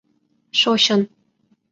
— Шочын.